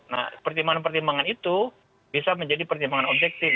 nah pertimbangan pertimbangan itu bisa menjadi pertimbangan objektif